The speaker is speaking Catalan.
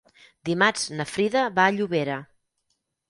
Dimarts na Frida va a Llobera.